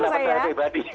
itu pasal percaya pribadi